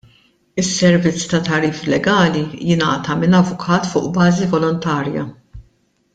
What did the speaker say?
Is-servizz ta' tagħrif legali jingħata minn avukat fuq bażi volontarja.